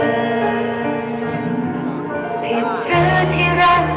ขอบคุณทุกเรื่องราว